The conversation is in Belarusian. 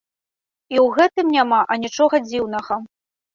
І ў гэтым няма анічога дзіўнага.